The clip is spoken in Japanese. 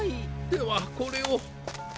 ではこれを。